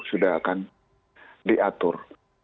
sudah akan diatur